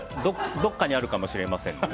どこかにあるかもしれません。